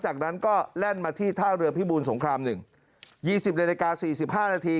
จากนั้นก็แล่นมาที่ท่าเรือพิบูรสงคราม๑๒๐นาฬิกา๔๕นาที